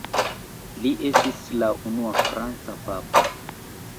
Li estis la unua franca papo.